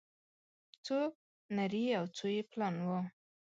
څو نري او څو يې پلن وه